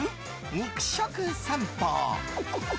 肉食さんぽ。